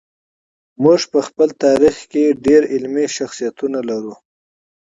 موږ په خپل تاریخ کې ډېر علمي شخصیتونه لرو.